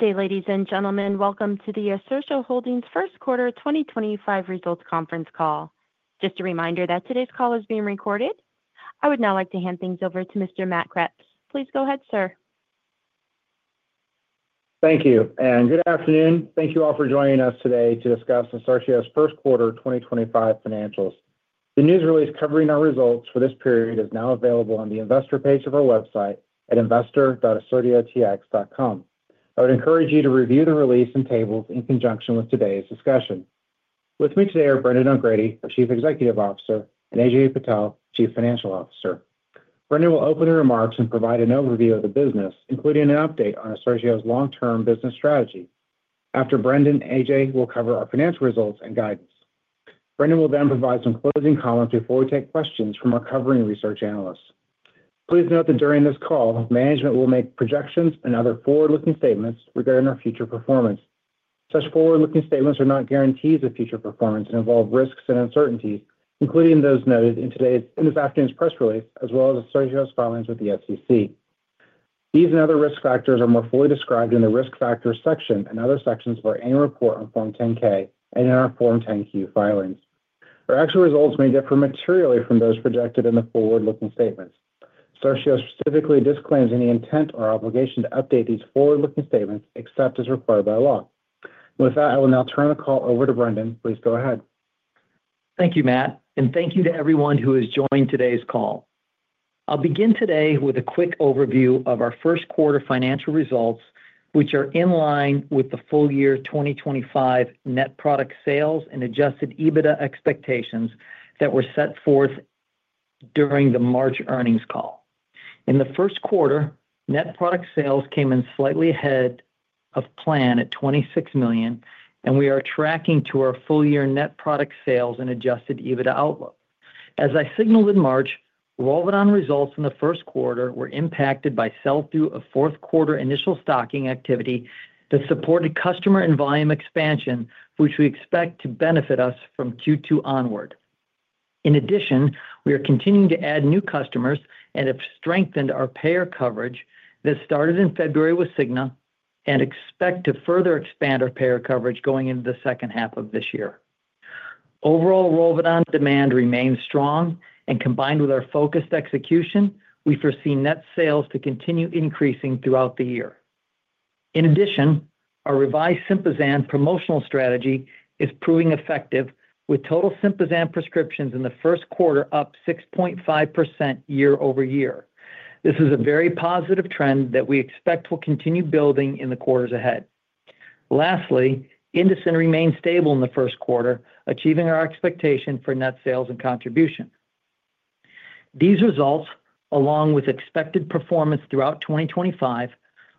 Good day, ladies and gentlemen. Welcome to the Assertio Holdings First Quarter 2025 Results conference call. Just a reminder that today's call is being recorded. I would now like to hand things over to Mr. Matt Kreps. Please go ahead, sir. Thank you. Good afternoon. Thank you all for joining us today to discuss Assertio's first quarter 2025 financials. The news release covering our results for this period is now available on the investor page of our website at investor.assertiotx.com. I would encourage you to review the release and tables in conjunction with today's discussion. With me today are Brendan O'Grady, Chief Executive Officer, and Ajay Patel, Chief Financial Officer. Brendan will open the remarks and provide an overview of the business, including an update on Assertio's long-term business strategy. After Brendan, Ajay will cover our financial results and guidance. Brendan will then provide some closing comments before we take questions from our covering research analysts. Please note that during this call, management will make projections and other forward-looking statements regarding our future performance. Such forward-looking statements are not guarantees of future performance and involve risks and uncertainty, including those noted in today's afternoon's press release, as well as Assertio's filings with the SEC. These and other risk factors are more fully described in the risk factors section and other sections of our annual report on Form 10-K and in our Form 10-Q filings. Our actual results may differ materially from those projected in the forward-looking statements. Assertio specifically disclaims any intent or obligation to update these forward-looking statements except as required by law. With that, I will now turn the call over to Brendan. Please go ahead. Thank you, Matt, and thank you to everyone who has joined today's call. I'll begin today with a quick overview of our first quarter financial results, which are in line with the full year 2025 net product sales and adjusted EBITDA expectations that were set forth during the March earnings call. In the first quarter, net product sales came in slightly ahead of plan at $26 million, and we are tracking to our full year net product sales and adjusted EBITDA outlook. As I signaled in March, ROLVEDON results in the first quarter were impacted by sell-through of fourth quarter initial stocking activity that supported customer and volume expansion, which we expect to benefit us from Q2 onward. In addition, we are continuing to add new customers and have strengthened our payer coverage that started in February with Cigna and expect to further expand our payer coverage going into the second half of this year. Overall, ROLVEDON demand remains strong, and combined with our focused execution, we foresee net sales to continue increasing throughout the year. In addition, our revised Sympazan promotional strategy is proving effective, with total Sympazan prescriptions in the first quarter up 6.5% year-over-year. This is a very positive trend that we expect will continue building in the quarters ahead. Lastly, INDOCIN remains stable in the first quarter, achieving our expectation for net sales and contribution. These results, along with expected performance throughout 2025,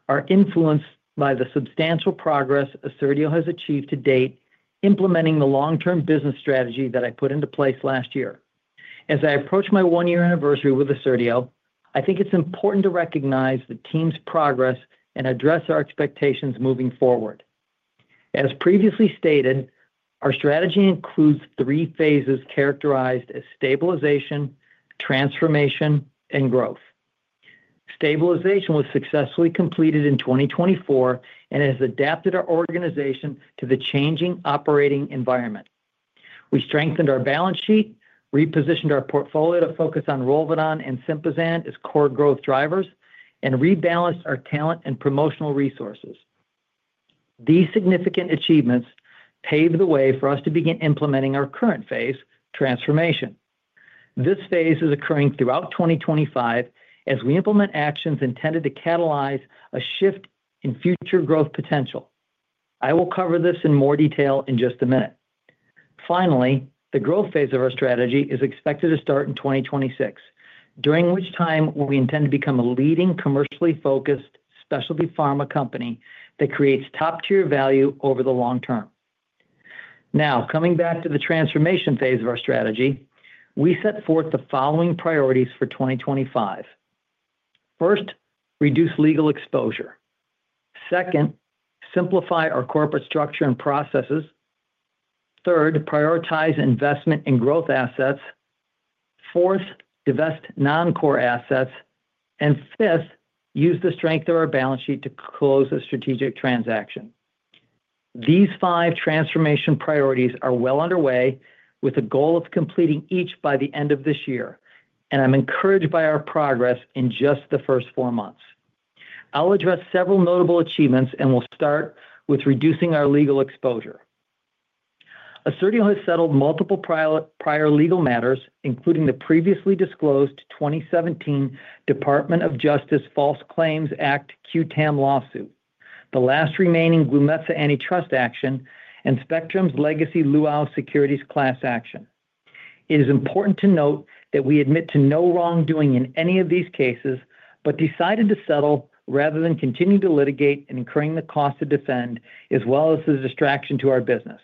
are influenced by the substantial progress Assertio has achieved to date implementing the long-term business strategy that I put into place last year. As I approach my one-year anniversary with Assertio, I think it's important to recognize the team's progress and address our expectations moving forward. As previously stated, our strategy includes three phases characterized as stabilization, transformation, and growth. Stabilization was successfully completed in 2024 and has adapted our organization to the changing operating environment. We strengthened our balance sheet, repositioned our portfolio to focus on ROLVEDON and Sympazan as core growth drivers, and rebalanced our talent and promotional resources. These significant achievements paved the way for us to begin implementing our current phase, transformation. This phase is occurring throughout 2025 as we implement actions intended to catalyze a shift in future growth potential. I will cover this in more detail in just a minute. Finally, the growth phase of our strategy is expected to start in 2026, during which time we intend to become a leading commercially focused specialty pharma company that creates top-tier value over the long term. Now, coming back to the transformation phase of our strategy, we set forth the following priorities for 2025. First, reduce legal exposure. Second, simplify our corporate structure and processes. Third, prioritize investment in growth assets. Fourth, divest non-core assets. Fifth, use the strength of our balance sheet to close a strategic transaction. These five transformation priorities are well underway, with a goal of completing each by the end of this year, and I'm encouraged by our progress in just the first four months. I'll address several notable achievements and will start with reducing our legal exposure. Assertio has settled multiple prior legal matters, including the previously disclosed 2017 Department of Justice False Claims Act qui tam lawsuit, the last remaining Glumetza antitrust action, and Spectrum's legacy Luau Securities class action. It is important to note that we admit to no wrongdoing in any of these cases but decided to settle rather than continue to litigate and incurring the cost to defend, as well as the distraction to our business.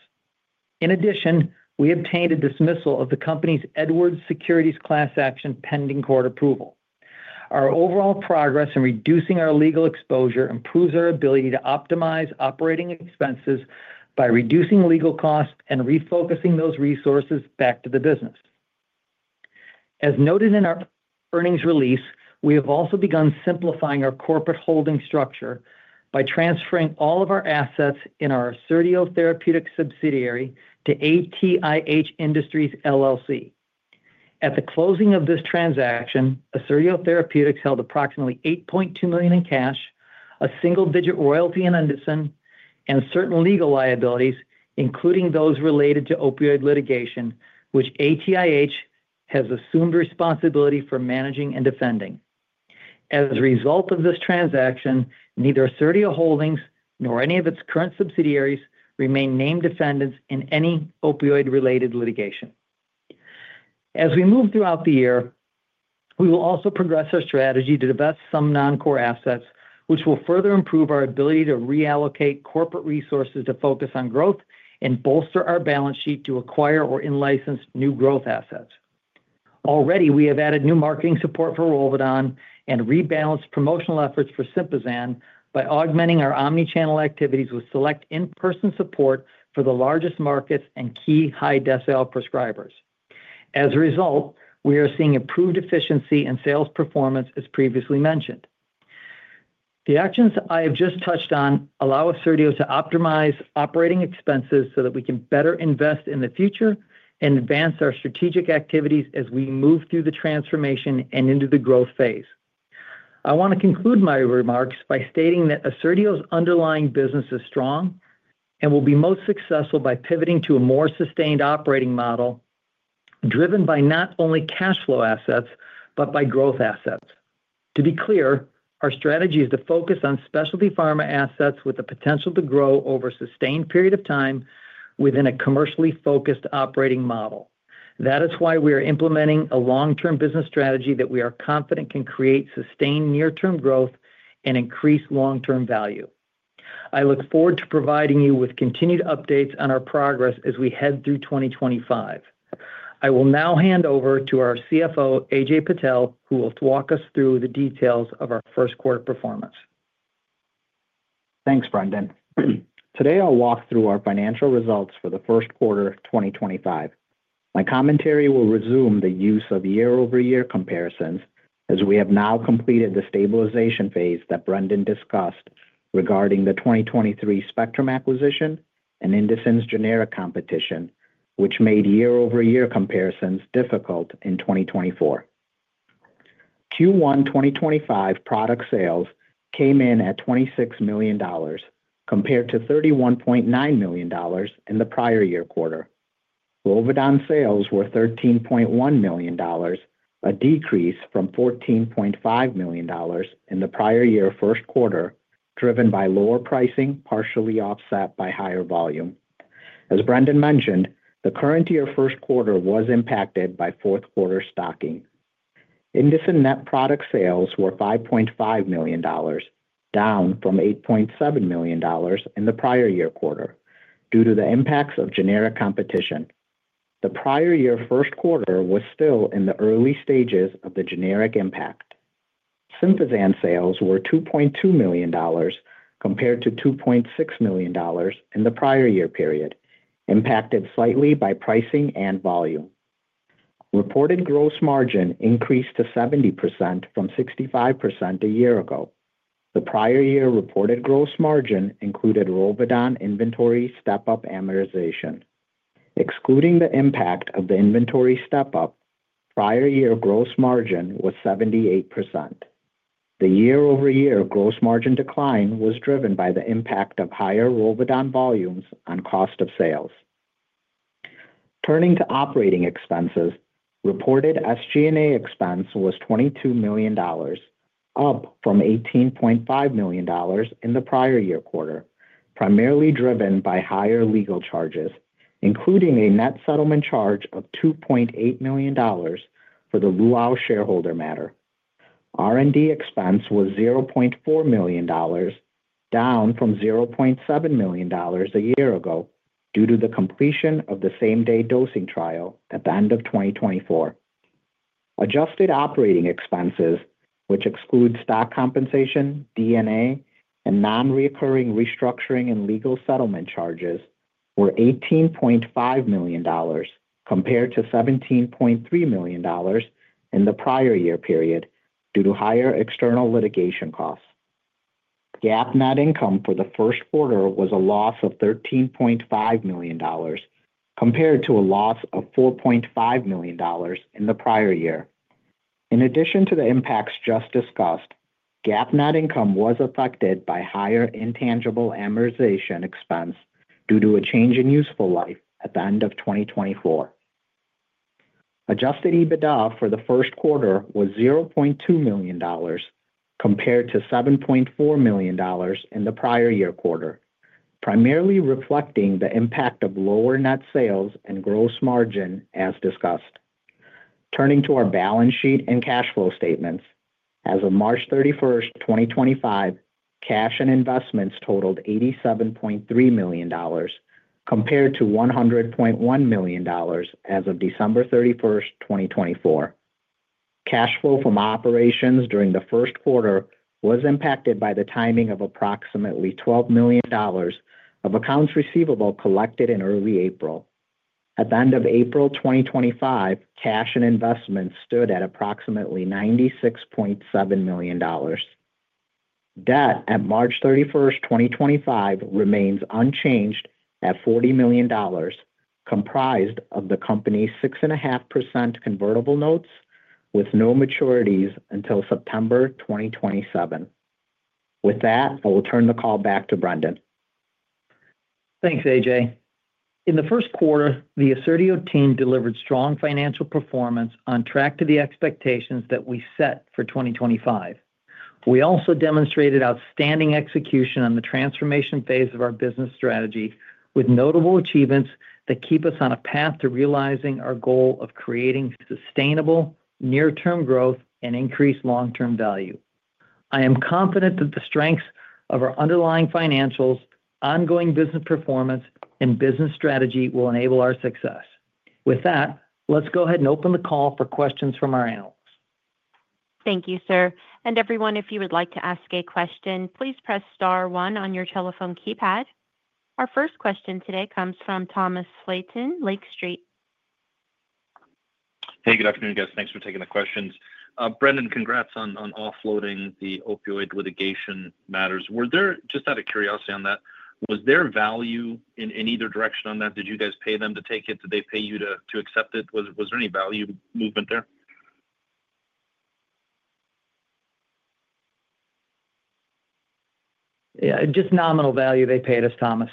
In addition, we obtained a dismissal of the company's Edwards Securities class action pending court approval. Our overall progress in reducing our legal exposure improves our ability to optimize operating expenses by reducing legal costs and refocusing those resources back to the business. As noted in our earnings release, we have also begun simplifying our corporate holding structure by transferring all of our assets in our Assertio Therapeutics subsidiary to ATIH Industries, LLC. At the closing of this transaction, Assertio Therapeutics held approximately $8.2 million in cash, a single-digit royalty in INDOCIN and certain legal liabilities, including those related to opioid litigation, which ATIH has assumed responsibility for managing and defending. As a result of this transaction, neither Assertio Holdings nor any of its current subsidiaries remain named defendants in any opioid-related litigation. As we move throughout the year, we will also progress our strategy to divest some non-core assets, which will further improve our ability to reallocate corporate resources to focus on growth and bolster our balance sheet to acquire or enlicense new growth assets. Already, we have added new marketing support for ROLVEDON and rebalanced promotional efforts for Sympazan by augmenting our omnichannel activities with select in-person support for the largest markets and key high decile prescribers. As a result, we are seeing improved efficiency and sales performance, as previously mentioned. The actions I have just touched on allow Assertio to optimize operating expenses so that we can better invest in the future and advance our strategic activities as we move through the transformation and into the growth phase. I want to conclude my remarks by stating that Assertio's underlying business is strong and will be most successful by pivoting to a more sustained operating model driven by not only cash flow assets but by growth assets. To be clear, our strategy is to focus on specialty pharma assets with the potential to grow over a sustained period of time within a commercially focused operating model. That is why we are implementing a long-term business strategy that we are confident can create sustained near-term growth and increase long-term value. I look forward to providing you with continued updates on our progress as we head through 2025. I will now hand over to our CFO, Ajay Patel, who will walk us through the details of our first quarter performance. Thanks, Brendan. Today, I'll walk through our financial results for the first quarter of 2025. My commentary will resume the use of year-over-year comparisons as we have now completed the stabilization phase that Brendan discussed regarding the 2023 Spectrum acquisition and INDOCIN's generic competition, which made year-over-year comparisons difficult in 2024. Q1 2025 product sales came in at $26 million compared to $31.9 million in the prior year quarter. ROLVEDON sales were $13.1 million, a decrease from $14.5 million in the prior year first quarter, driven by lower pricing partially offset by higher volume. As Brendan mentioned, the current year first quarter was impacted by fourth quarter stocking. INDOCINs net product sales were $5.5 million, down from $8.7 million in the prior year quarter due to the impacts of generic competition. The prior year first quarter was still in the early stages of the generic impact. Sympazan sales were $2.2 million compared to $2.6 million in the prior year period, impacted slightly by pricing and volume. Reported gross margin increased to 70% from 65% a year ago. The prior year reported gross margin included ROLVEDON inventory step-up amortization. Excluding the impact of the inventory step-up, prior year gross margin was 78%. The year-over-year gross margin decline was driven by the impact of higher ROLVEDON volumes on cost of sales. Turning to operating expenses, reported SG&A expense was $22 million, up from $18.5 million in the prior year quarter, primarily driven by higher legal charges, including a net settlement charge of $2.8 million for the Luau shareholder matter. R&D expense was $0.4 million, down from $0.7 million a year ago due to the completion of the same-day dosing trial at the end of 2024. Adjusted operating expenses, which exclude stock compensation, DNA, and non-reoccurring restructuring and legal settlement charges, were $18.5 million compared to $17.3 million in the prior year period due to higher external litigation costs. GAAP net income for the first quarter was a loss of $13.5 million compared to a loss of $4.5 million in the prior year. In addition to the impacts just discussed, GAAP net income was affected by higher intangible amortization expense due to a change in useful life at the end of 2024. Adjusted EBITDA for the first quarter was $0.2 million compared to $7.4 million in the prior year quarter, primarily reflecting the impact of lower net sales and gross margin as discussed. Turning to our balance sheet and cash flow statements, as of March 31st, 2025, cash and investments totaled $87.3 million compared to $100.1 million as of December 31st, 2024. Cash flow from operations during the first quarter was impacted by the timing of approximately $12 million of accounts receivable collected in early April. At the end of April 2025, cash and investments stood at approximately $96.7 million. Debt at March 31st, 2025, remains unchanged at $40 million, comprised of the company's 6.5% convertible notes with no maturities until September 2027. With that, I will turn the call back to Brendan. Thanks, Ajay. In the first quarter, the Assertio team delivered strong financial performance on track to the expectations that we set for 2025. We also demonstrated outstanding execution on the transformation phase of our business strategy, with notable achievements that keep us on a path to realizing our goal of creating sustainable near-term growth and increased long-term value. I am confident that the strengths of our underlying financials, ongoing business performance, and business strategy will enable our success. With that, let's go ahead and open the call for questions from our analysts. Thank you, sir. Everyone, if you would like to ask a question, please press star one on your telephone keypad. Our first question today comes from Thomas Flaten, Lake Street. Hey, good afternoon, guys. Thanks for taking the questions. Brendan, congrats on offloading the opioid litigation matters. Just out of curiosity on that, was there value in either direction on that? Did you guys pay them to take it? Did they pay you to accept it? Was there any value movement there? Yeah, just nominal value they paid us, Thomas.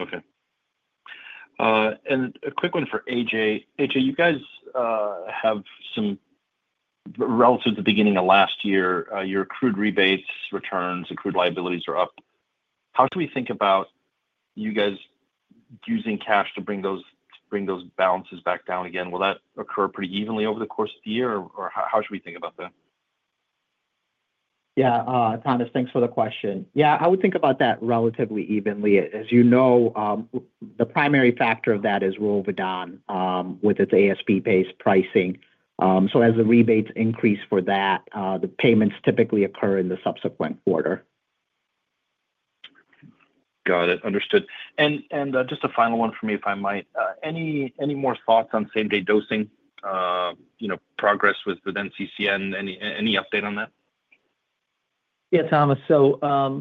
Okay. A quick one for Ajay. Ajay, you guys have some relative to the beginning of last year, your accrued rebates, returns, accrued liabilities are up. How do we think about you guys using cash to bring those balances back down again? Will that occur pretty evenly over the course of the year, or how should we think about that? Yeah, Thomas, thanks for the question. Yeah, I would think about that relatively evenly. As you know, the primary factor of that is ROLVEDON with its ASP-based pricing. As the rebates increase for that, the payments typically occur in the subsequent quarter. Got it. Understood. Just a final one for me, if I might. Any more thoughts on same-day dosing progress with NCCN? Any update on that? Yeah, Thomas. As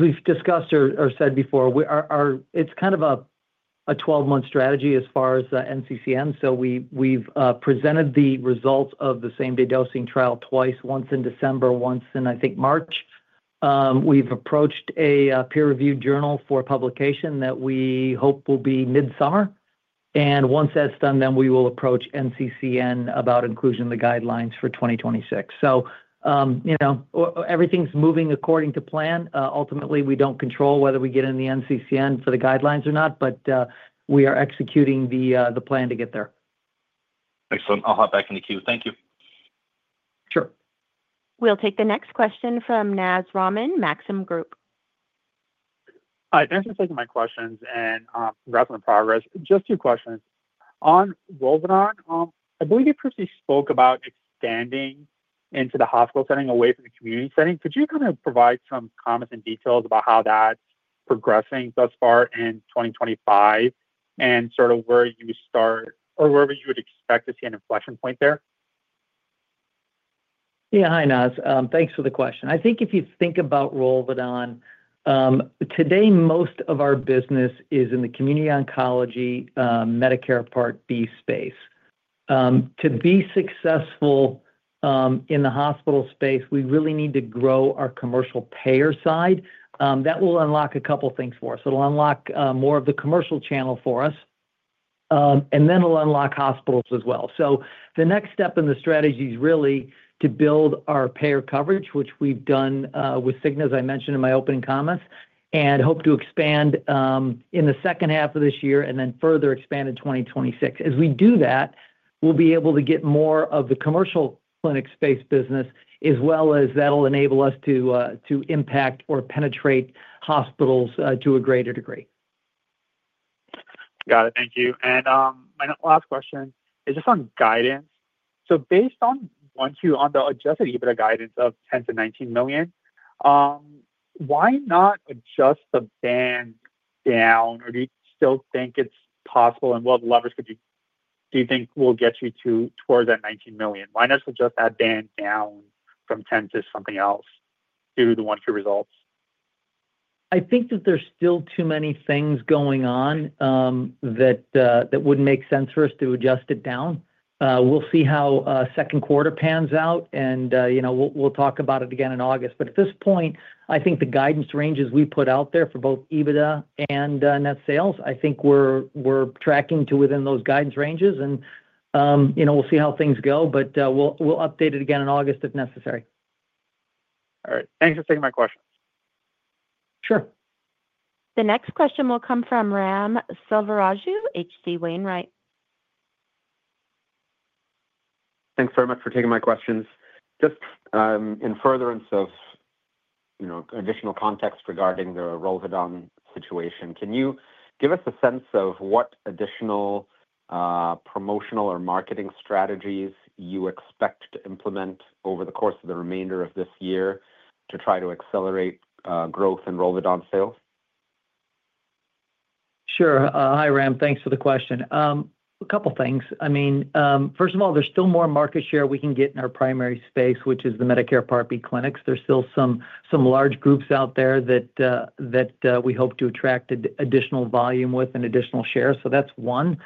we've discussed or said before, it's kind of a 12-month strategy as far as NCCN. We've presented the results of the same-day dosing trial twice, once in December, once in, I think, March. We've approached a peer-reviewed journal for publication that we hope will be mid-summer. Once that's done, we will approach NCCN about inclusion of the guidelines for 2026. Everything's moving according to plan. Ultimately, we don't control whether we get in the NCCN for the guidelines or not, but we are executing the plan to get there. Excellent. I'll hop back in the queue. Thank you. Sure. We'll take the next question from Naz Rahman, Maxim Group. Hi, thanks for taking my questions and congrats on the progress. Just two questions. On ROLVEDON, I believe you previously spoke about expanding into the hospital setting away from the community setting. Could you kind of provide some comments and details about how that's progressing thus far in 2025 and sort of where you start or wherever you would expect to see an inflection point there? Yeah, hi, Naz. Thanks for the question. I think if you think about ROLVEDON, today, most of our business is in the community oncology Medicare Part B space. To be successful in the hospital space, we really need to grow our commercial payer side. That will unlock a couple of things for us. It'll unlock more of the commercial channel for us, and then it'll unlock hospitals as well. The next step in the strategy is really to build our payer coverage, which we've done with Cigna, as I mentioned in my opening comments, and hope to expand in the second half of this year and then further expand in 2026. As we do that, we'll be able to get more of the commercial clinic space business, as well as that'll enable us to impact or penetrate hospitals to a greater degree. Got it. Thank you. My last question is just on guidance. Based on the adjusted EBITDA guidance of $10 million-$19 million, why not adjust the band down? Do you still think it's possible? What levers do you think will get you towards that $19 million? Why not just adjust that band down from $10 million to something else due to the one-two results? I think that there's still too many things going on that wouldn't make sense for us to adjust it down. We'll see how second quarter pans out, and we'll talk about it again in August. At this point, I think the guidance ranges we put out there for both EBITDA and net sales, I think we're tracking to within those guidance ranges, and we'll see how things go, but we'll update it again in August if necessary. All right. Thanks for taking my question. Sure. The next question will come from Ram Selvaraju, H.C. Wainwright. Thanks very much for taking my questions. Just in furtherance of additional context regarding the ROLVEDON situation, can you give us a sense of what additional promotional or marketing strategies you expect to implement over the course of the remainder of this year to try to accelerate growth in ROLVEDON sales? Sure. Hi, Ram. Thanks for the question. A couple of things. I mean, first of all, there's still more market share we can get in our primary space, which is the Medicare Part B clinics. There's still some large groups out there that we hope to attract additional volume with and additional shares. That is one.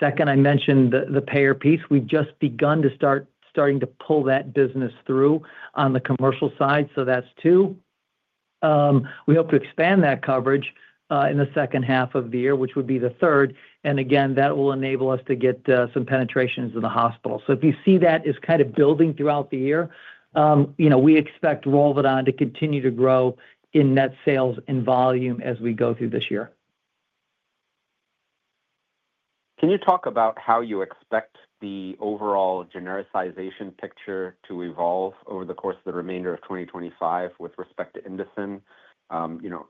Second, I mentioned the payer piece. We've just begun to start to pull that business through on the commercial side. That is two. We hope to expand that coverage in the second half of the year, which would be the third. Again, that will enable us to get some penetrations in the hospital. If you see that as kind of building throughout the year, we expect ROLVEDON to continue to grow in net sales and volume as we go through this year. Can you talk about how you expect the overall genericization picture to evolve over the course of the remainder of 2025 with respect to INDOCIN?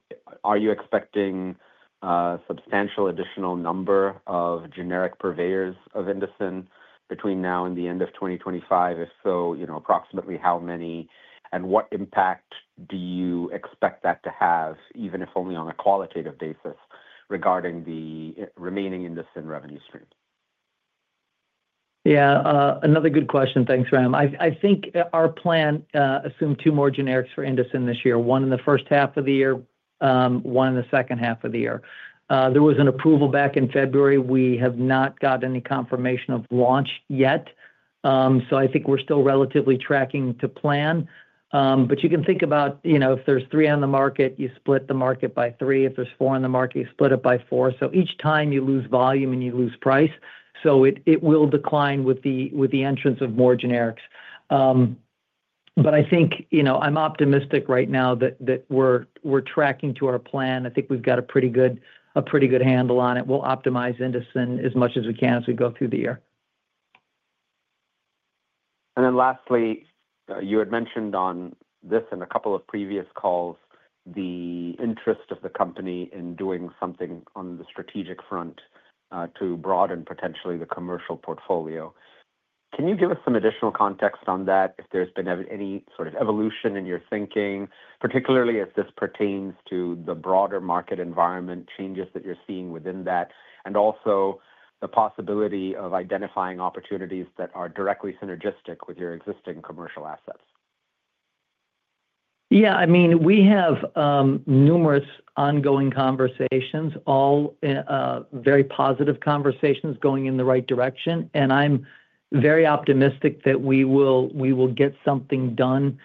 Are you expecting a substantial additional number of generic purveyors of INDOCIN between now and the end of 2025? If so, approximately how many, and what impact do you expect that to have, even if only on a qualitative basis, regarding the remaining INDOCIN revenue stream? Yeah, another good question. Thanks, Ram. I think our plan assumed two more generics for INDOCIN this year, one in the first half of the year, one in the second half of the year. There was an approval back in February. We have not gotten any confirmation of launch yet. I think we're still relatively tracking to plan. You can think about if there's three on the market, you split the market by three. If there's four on the market, you split it by four. Each time you lose volume and you lose price, so it will decline with the entrance of more generics. I think I'm optimistic right now that we're tracking to our plan. I think we've got a pretty good handle on it. We'll optimize INDOCIN as much as we can as we go through the year. Lastly, you had mentioned on this and a couple of previous calls the interest of the company in doing something on the strategic front to broaden potentially the commercial portfolio. Can you give us some additional context on that, if there's been any sort of evolution in your thinking, particularly as this pertains to the broader market environment changes that you're seeing within that, and also the possibility of identifying opportunities that are directly synergistic with your existing commercial assets? Yeah, I mean, we have numerous ongoing conversations, all very positive conversations going in the right direction. I am very optimistic that we will get something done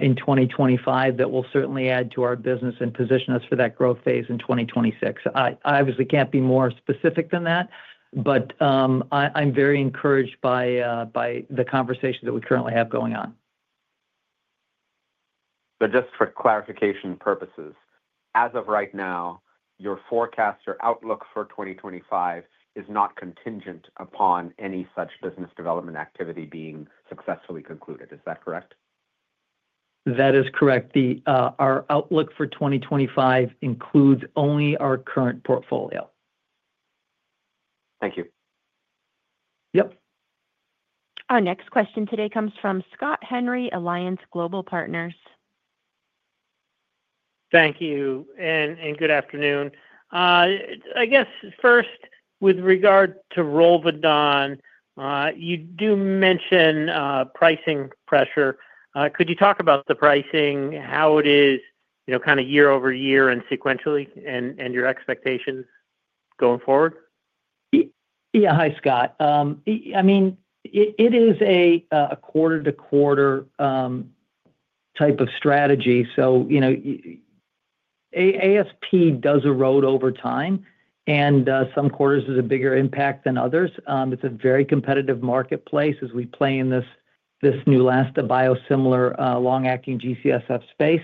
in 2025 that will certainly add to our business and position us for that growth phase in 2026. I obviously can't be more specific than that, but I am very encouraged by the conversation that we currently have going on. Just for clarification purposes, as of right now, your forecast, your outlook for 2025 is not contingent upon any such business development activity being successfully concluded. Is that correct? That is correct. Our outlook for 2025 includes only our current portfolio. Thank you. Yep. Our next question today comes from Scott Henry, Alliance Global Partners. Thank you. And good afternoon. I guess first, with regard to ROLVEDON, you do mention pricing pressure. Could you talk about the pricing, how it is kind of year-over-year and sequentially, and your expectations going forward? Yeah, hi, Scott. I mean, it is a quarter-to-quarter type of strategy. So ASP does erode over time, and some quarters is a bigger impact than others. It is a very competitive marketplace as we play in this new last biosimilar long-acting GCSF space.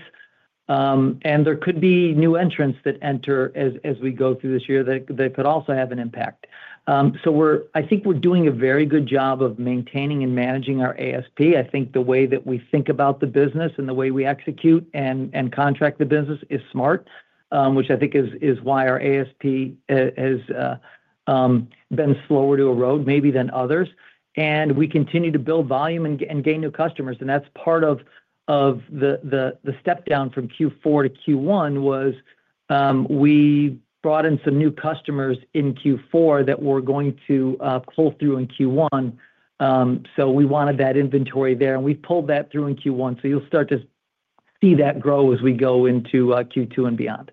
There could be new entrants that enter as we go through this year that could also have an impact. I think we are doing a very good job of maintaining and managing our ASP. I think the way that we think about the business and the way we execute and contract the business is smart, which I think is why our ASP has been slower to erode maybe than others. We continue to build volume and gain new customers. That is part of the step down from Q4 to Q1 because we brought in some new customers in Q4 that we are going to pull through in Q1. We wanted that inventory there, and we have pulled that through in Q1. You will start to see that grow as we go into Q2 and beyond.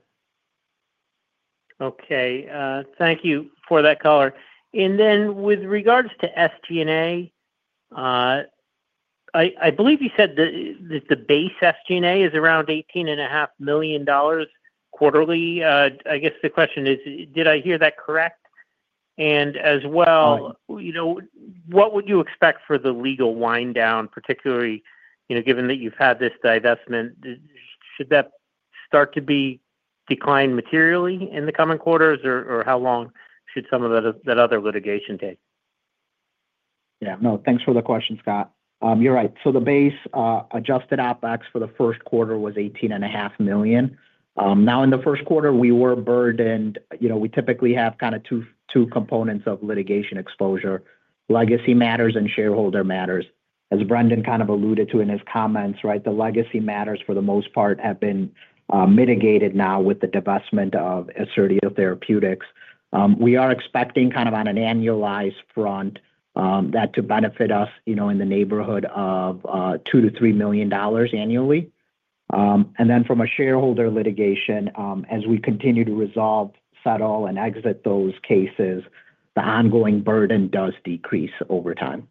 Thank you for that color. With regards to SG&A, I believe you said that the base SG&A is around $18.5 million quarterly. I guess the question is, did I hear that correct? What would you expect for the legal wind down, particularly given that you've had this divestment? Should that start to be declined materially in the coming quarters, or how long should some of that other litigation take? Yeah, no, thanks for the question, Scott. You're right. The base adjusted OpEx for the first quarter was $18.5 million. Now, in the first quarter, we were burdened, we typically have kind of two components of litigation exposure: legacy matters and shareholder matters. As Brendan kind of alluded to in his comments, right, the legacy matters for the most part have been mitigated now with the divestment of Assertio Therapeutics. We are expecting kind of on an annualized front that to benefit us in the neighborhood of $2 million-$3 million annually. From a shareholder litigation, as we continue to resolve, settle, and exit those cases, the ongoing burden does decrease over time.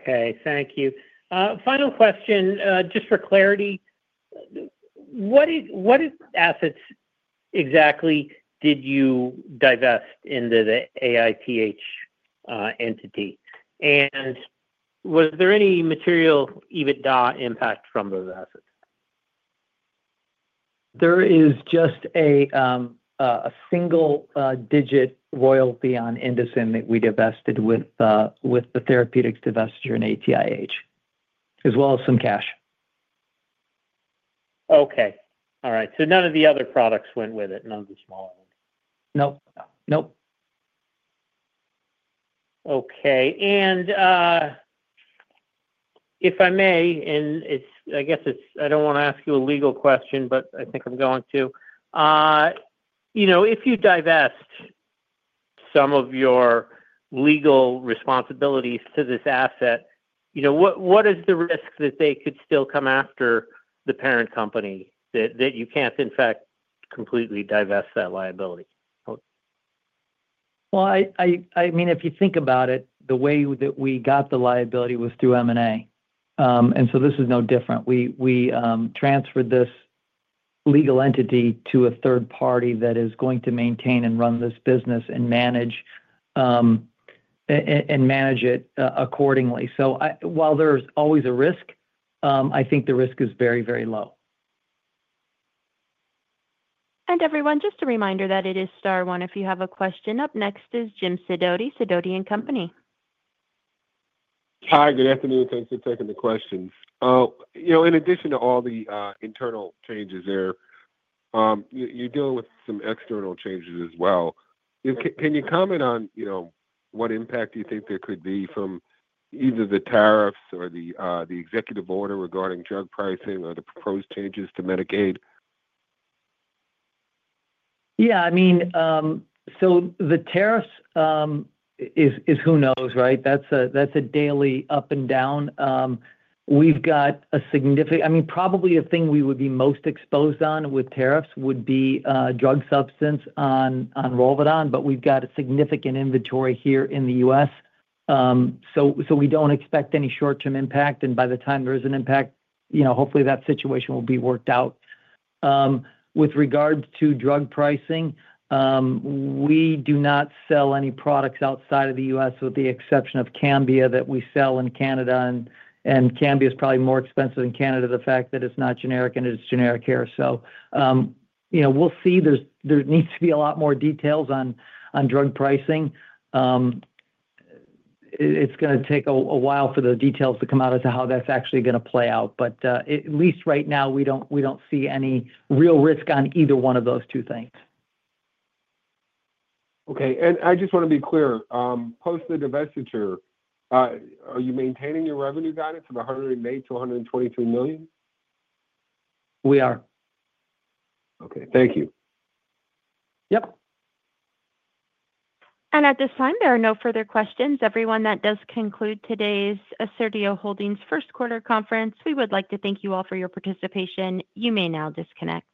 Okay. Thank you. Final question, just for clarity. What assets exactly did you divest into the ATIH entity? Was there any material EBITDA impact from those assets? There is just a single-digit royalty on INDOCIN that we divested with the therapeutics divestiture and ATIH, as well as some cash. Okay. All right. None of the other products went with it, none of the smaller ones? Nope. Nope. Okay. If I may, and I guess I do not want to ask you a legal question, but I think I am going to. If you divest some of your legal responsibilities to this asset, what is the risk that they could still come after the parent company, that you cannot, in fact, completely divest that liability? I mean, if you think about it, the way that we got the liability was through M&A. This is no different. We transferred this legal entity to a third party that is going to maintain and run this business and manage it accordingly. While there is always a risk, I think the risk is very, very low. Everyone, just a reminder that it is star one. If you have a question up, next is Jim Sidoti, Sidoti & Company. Hi, good afternoon. Thanks for taking the questions. In addition to all the internal changes there, you're dealing with some external changes as well. Can you comment on what impact you think there could be from either the tariffs or the executive order regarding drug pricing or the proposed changes to Medicaid? Yeah. I mean, so the tariffs is who knows, right? That's a daily up and down. We've got a significant—I mean, probably the thing we would be most exposed on with tariffs would be drug substance on ROLVEDON, but we've got a significant inventory here in the U.S. We do not expect any short-term impact. By the time there is an impact, hopefully that situation will be worked out. With regards to drug pricing, we do not sell any products outside of the U.S., with the exception of Cambia that we sell in Canada. Cambia is probably more expensive in Canada than the fact that it's not generic, and it's generic here. We'll see. There needs to be a lot more details on drug pricing. It's going to take a while for the details to come out as to how that's actually going to play out. At least right now, we don't see any real risk on either one of those two things. Okay. I just want to be clear. Post the divestiture, are you maintaining your revenue guidance of $108 million-$123 million? We are. Okay. Thank you. Yep. At this time, there are no further questions. Everyone, that does conclude today's Assertio Holdings first quarter conference. We would like to thank you all for your participation. You may now disconnect.